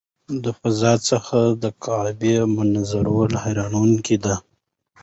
د فضا څخه د کعبې منظره حیرانوونکې ده.